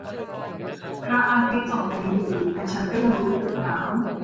พระอาทิตย์ส่องแสงอยู่ แต่ฉันก็ยังรู้สึกหนาว